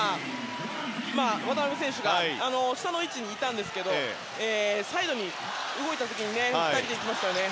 渡邊選手が下の位置にいたんですけどサイドに動いた時に２人で来ましたね。